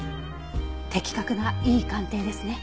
的確ないい鑑定ですね。